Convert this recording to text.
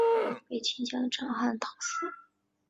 被秦将章邯讨死。